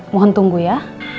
mohon tunggu ya